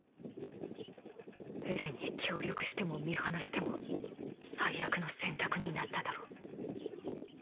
エレンに協力しても見放しても最悪の選択になっただろう。